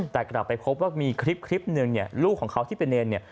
แต่กลับไปพบว่ามีคลิปหนึ่งเนี่ยลูกของเขาที่เป็นเนรเนี่ย